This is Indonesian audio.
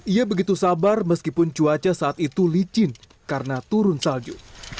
ia begitu sabar meskipun cuaca saat itu licin karena turun salju